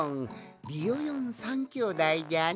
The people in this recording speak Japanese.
ビヨヨン３きょうだいじゃな。